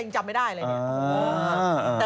ยังจำไม่ได้อะไรเนี้ย